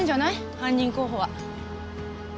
犯人候補は。